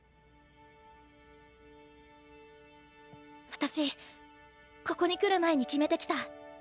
私ここに来る前に決めてきた。